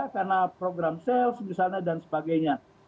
karena program sales misalnya dan sebagainya